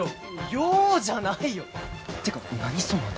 ようじゃないよてか何その頭。